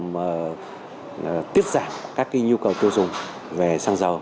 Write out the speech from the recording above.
việc tiết giảm các cái nhu cầu tiêu dùng về xăng dầu